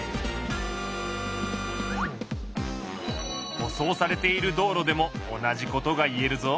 舗装されている道路でも同じことが言えるぞ。